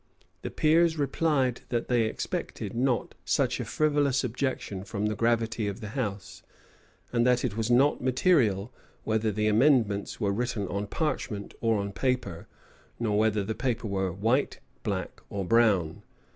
The peers replied that they expected not such a frivolous objection from the gravity of the house; and that it was not material, whether the amendments were written on parchment or on paper, nor whether the paper were white, black, or brown.